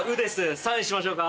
サインしましょうか？